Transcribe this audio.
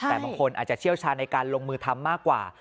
แต่บางคนอาจจะเชี่ยวชาญในการลงมือทำมากกว่า